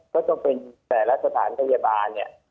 ก็ต้องเป็นแต่ละสถานพยาบาลเนี่ย